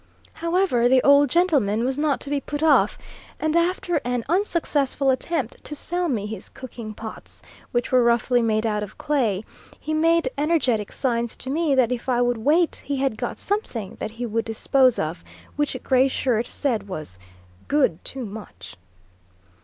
However the old gentleman was not to be put off, and after an unsuccessful attempt to sell me his cooking pots, which were roughly made out of clay, he made energetic signs to me that if I would wait he had got something that he would dispose of which Gray Shirt said was "good too much."